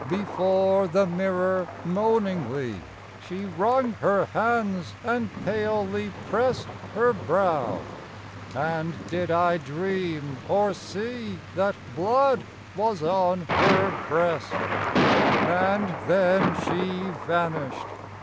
Before the mirror moaningly She wrung her hands and palely pressed Her brow. And did I dream, or see, That blood was on her breast? And then she vanished.